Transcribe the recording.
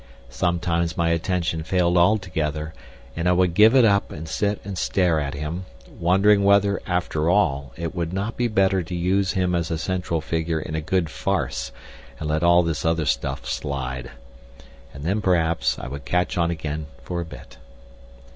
Sometimes my attention failed altogether, and I would give it up and sit and stare at him, wondering whether, after all, it would not be better to use him as a central figure in a good farce and let all this other stuff slide. And then, perhaps, I would catch on again for a bit.